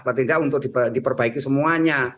maksudnya untuk diperbaiki semuanya